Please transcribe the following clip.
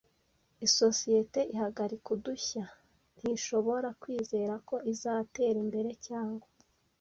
Isosiyete ihagarika udushya ntishobora kwizera ko izatera imbere cyane.